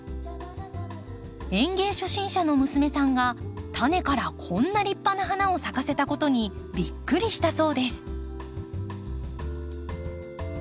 園芸初心者の娘さんがタネからこんな立派な花を咲かせたことにびっくりしたそうです。